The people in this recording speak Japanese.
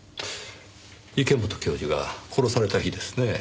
池本教授が殺された日ですねぇ。